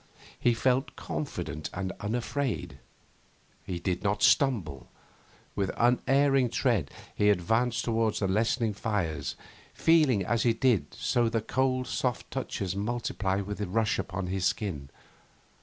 He felt confident and unafraid. He did not stumble. With unerring tread he advanced towards the lessening fires, feeling as he did so the cold soft touches multiply with a rush upon his skin.